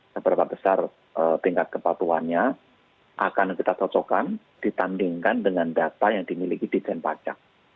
seberapa besar tingkat kepatuhannya akan kita cocokkan ditandingkan dengan data yang dimiliki dijen pajak